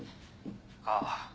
ああ。